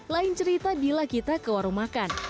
lain cerita bila kita ke warung makan